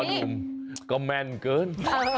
หนุ่มก็แม่นเกิน